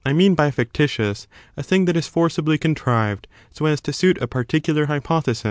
mean by fictitious a thing that is forcibly con trived so as to suit a particular hypothesis.